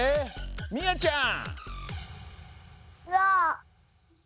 みあちゃん。